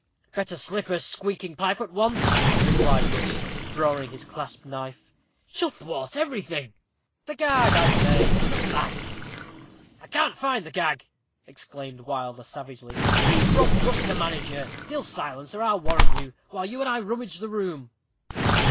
"Better slit her squeaking pipe at once," replied Rust, drawing his clasped knife; "she'll thwart everything." "The gag, I say, not that." "I can't find the gag," exclaimed Wilder, savagely. "Leave Rob Rust to manage her he'll silence her, I warrant you, while you and I rummage the room."